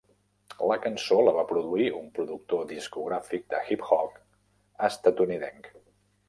La cançó la va produir un productor discogràfic de hip hop estatunidenc.